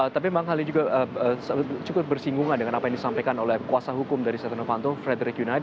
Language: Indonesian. tapi memang hal ini juga cukup bersinggungan dengan apa yang disampaikan oleh kuasa hukum dari setia novanto frederick yunadi